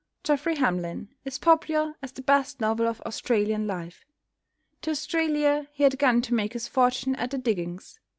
"Geoffrey Hamlyn" is popular as the best novel of Australian life. To Australia he had gone to make his fortune at the diggings.